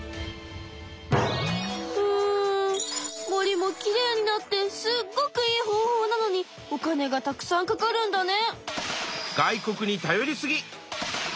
うん森もきれいになってすっごくいい方法なのにお金がたくさんかかるんだね。